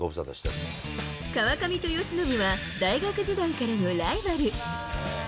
川上と由伸は、大学時代からのライバル。